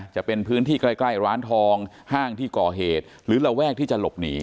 จะเป็นพื้นที่ใกล้ร้านทองห้างที่ก่อเหตุหรือระแวกที่จะหลบหนี